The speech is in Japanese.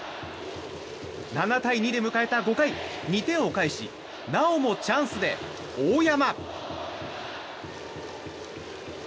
７対２で迎えた５回２点を返しなおもチャンスで、大山。